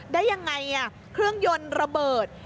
ได้ยังไงเครื่องยนต์ระเบิด